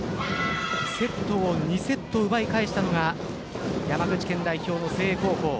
セットを２セット奪い返したのが山口県代表の誠英高校。